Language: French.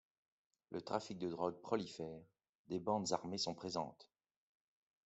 Le trafic de drogue prolifère, des bandes armées sont présentes.